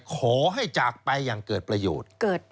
ขอให้จากไปอย่างเกิดประโยชน์